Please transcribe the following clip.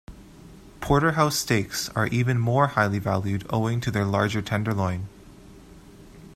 Porterhouse steaks are even more highly valued owing to their larger tenderloin.